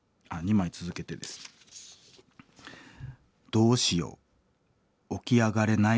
「どうしよう起き上がれない。